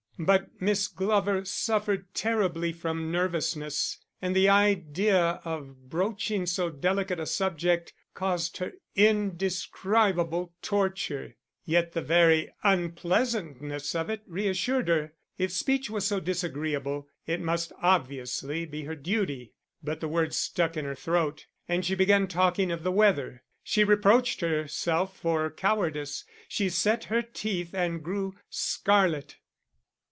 But Miss Glover suffered terribly from nervousness, and the idea of broaching so delicate a subject caused her indescribable torture; yet the very unpleasantness of it reassured her, if speech was so disagreeable, it must obviously be her duty. But the words stuck in her throat, and she began talking of the weather. She reproached herself for cowardice; she set her teeth and grew scarlet.